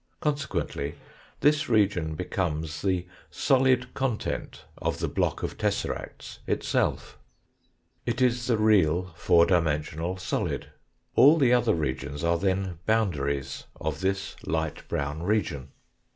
Consequently this region becomes the solid content of the block of tesseracts, itself; it is the real four dimensional solid. All the other regions are then boundaries of this light brown region.